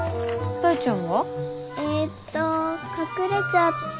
大ちゃん？